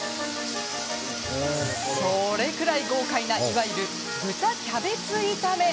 それくらい豪快ないわゆる豚キャベツ炒め。